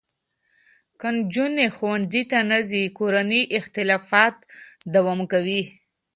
که نجونې ښوونځي ته نه ځي، کورني اختلافات دوام کوي.